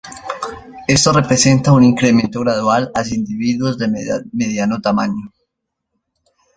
Esto representa un incremento gradual hacia individuos de mediano tamaño.